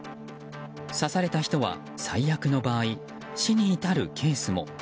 刺された人は最悪の場合死に至るケースも。